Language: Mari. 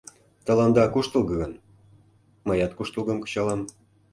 Тыланда куштылго гын, мыят куштылгым кычалам.